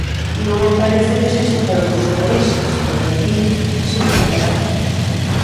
Non o parece que sexa para outros países, pero aquí si que o é.